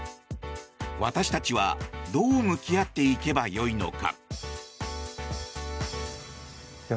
私たちはどう向き合っていけばよいのか。